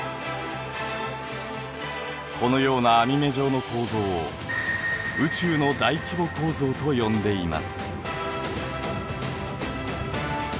このような網目状の構造を宇宙の大規模構造と呼んでいます。